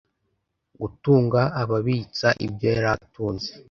Gutunga ababitsa ibyo yari atunze